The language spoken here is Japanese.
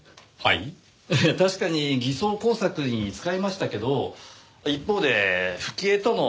いや確かに偽装工作に使いましたけど一方で冨貴江との連絡用に。